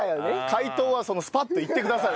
解答はスパッと言ってください。